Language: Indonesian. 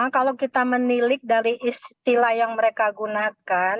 kalau kita menilik dari istilah yang mereka gunakan